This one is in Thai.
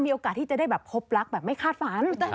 มีโอกาสที่จะได้แบบพบรักแบบไม่คาดฝัน